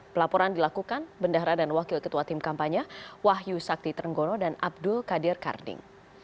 pelaporan dilakukan bendahara dan wakil ketua tim kampanye wahyu sakti trenggono dan abdul qadir karding